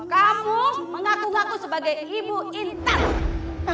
kamu mengaku ngaku sebagai ibu intan